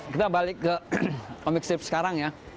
kita balik ke komik stip sekarang ya